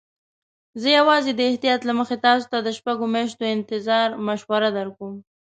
زه یوازې د احتیاط له مخې تاسي ته د شپږو میاشتو انتظار مشوره درکوم.